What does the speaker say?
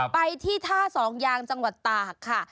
ไปที่ท่าสองยางจังหวัดตากค่ะ